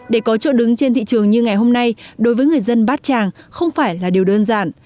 để có chỗ đứng trên thị trường như ngày hôm nay đối với người dân bát tràng không phải là điều đơn giản